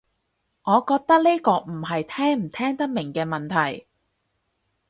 我覺得呢個唔係聽唔聽得明嘅問題